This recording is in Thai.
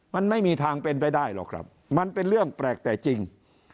มันไม่มีทางเป็นไปได้หรอกครับมันเป็นเรื่องแปลกแต่จริง